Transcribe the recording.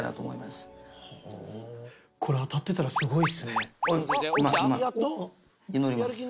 これ当たってたらすごいっすね。